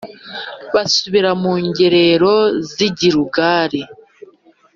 basubira mu ngerero z i Gilugali